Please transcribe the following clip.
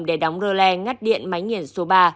để đóng rơ lh ngắt điện máy nghiền số ba